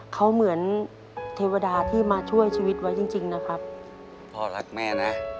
เขาเหมือนเทวดาที่มาช่วยชีวิตไว้จริงจริงนะครับพ่อรักแม่นะ